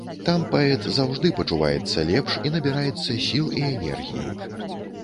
Там паэт заўжды пачуваецца лепш і набіраецца сіл і энергіі.